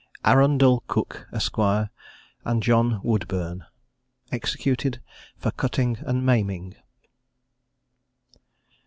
ARUNDEL COOKE, ESQ. AND JOHN WOODBURNE. EXECUTED FOR CUTTING AND MAIMING.